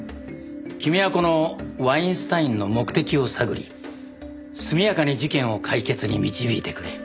君はこのワインスタインの目的を探り速やかに事件を解決に導いてくれ。